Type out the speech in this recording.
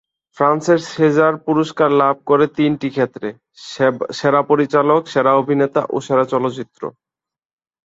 ফ্রান্সের সেজার পুরস্কার লাভ করে তিনটি ক্ষেত্রে: সেরা পরিচালক, সেরা অভিনেতা ও সেরা চলচ্চিত্র।